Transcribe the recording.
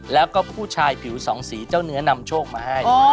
แล้วก็ผู้ชายผิวสองสีเจ้าเนื้อนำโชคมาให้